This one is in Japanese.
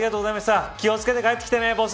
気をつけて帰ってきてね、ボス。